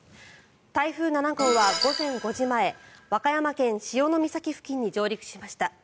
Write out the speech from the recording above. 台風７号は午前５時前和歌山県・潮岬付近に上陸しました。